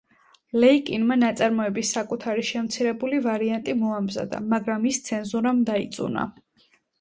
ლეიკინმა ნაწარმოების საკუთარი შემცირებული ვარიანტი მოამზადა, მაგრამ ის ცენზურამ დაიწუნა.